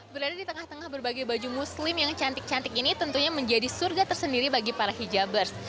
berada di tengah tengah berbagai baju muslim yang cantik cantik ini tentunya menjadi surga tersendiri bagi para hijabers